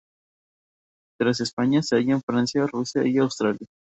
Tras España, se hallan Francia, Rusia y Australia.